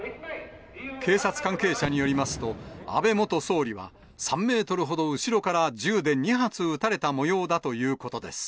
警察関係者によりますと、安倍元総理は、３メートルほど後ろから銃で２発撃たれたもようだということです。